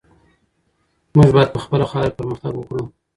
موږ باید په خپله خاوره کې پرمختګ وکړو.